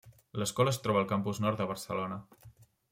L'escola es troba al Campus Nord de Barcelona.